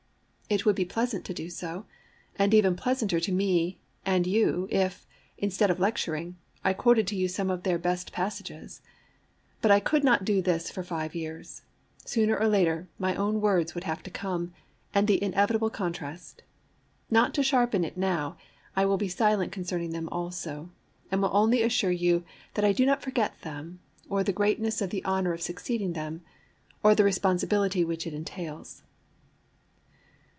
It would be pleasant to do so, and even pleasanter to me and you if, instead of lecturing, I quoted to you some of their best passages. But I could not do this for five years. Sooner or later, my own words would have to come, and the inevitable contrast. Not to sharpen it now, I will be silent concerning them also; and will only assure you that I do not forget them, or the greatness of the honour of succeeding them, or the responsibility which it entails.